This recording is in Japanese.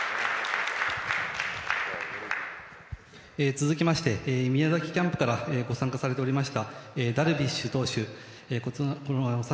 続きまして、宮崎キャンプから参加されていましたダルビッシュ投手侍